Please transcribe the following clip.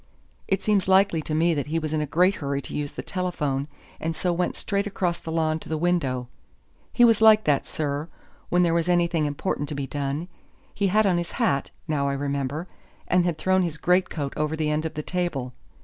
It seems likely to me that he was in a great hurry to use the telephone, and so went straight across the lawn to the window he was like that, sir, when there was anything important to be done. He had on his hat, now I remember, and had thrown his great coat over the end of the table.